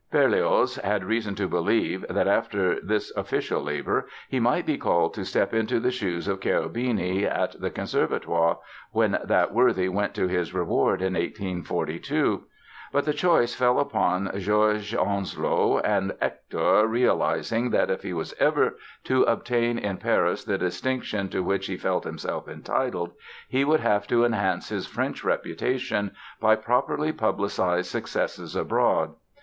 Berlioz had reason to believe that, after this official labor, he might be called to step into the shoes of Cherubini at the Conservatoire when that worthy went to his reward in 1842. But the choice fell upon Georges Onslow and Hector, realizing that if he was ever to obtain in Paris the distinction to which he felt himself entitled, he would have to enhance his French reputation by properly publicized successes abroad.